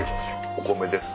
お米です。